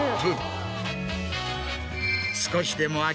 少しでも。